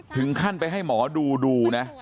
ถึงขั้นไปให้หมอดูดูนะ